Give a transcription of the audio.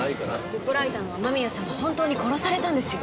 ルポライターの雨宮さんは本当に殺されたんですよ。